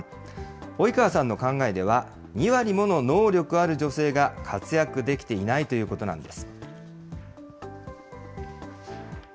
及川さんの考えでは、２割もの能力ある女性が活躍できていないということなんです。